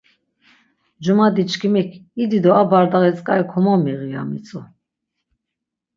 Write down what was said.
Cumadiçkimik 'İdi do a bardaği tzǩari komomiği' ya mitzu.